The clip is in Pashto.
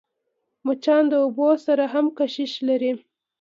مچان د اوبو سره هم کشش لري